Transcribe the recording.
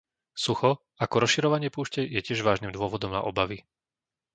Sucho, ako rozširovanie púšte, je tiež vážnym dôvodom na obavy.